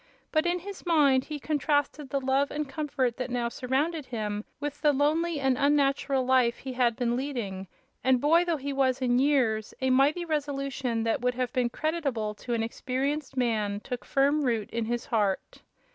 But in his mind he contrasted the love and comfort that now surrounded him with the lonely and unnatural life he had been leading and, boy though he was in years, a mighty resolution that would have been creditable to an experienced man took firm root in his heart.